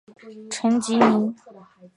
陈吉宁。